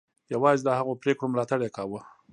یوازې د هغو پرېکړو ملاتړ یې کاوه.